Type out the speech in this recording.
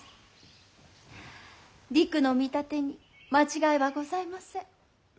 りくの見立てに間違いはございません。